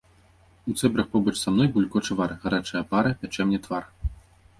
У цэбрах побач са мной булькоча вар, гарачая пара пячэ мне твар.